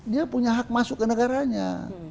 dia punya hak masuk ke negaranya